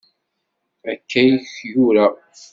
Akka i k-yura.